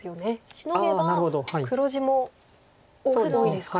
シノげば黒地も多いですか。